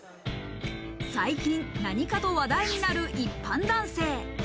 最近、何かと話題になる一般男性。